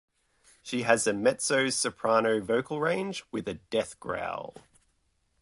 She has a mezzo-soprano vocal range, with a death growl.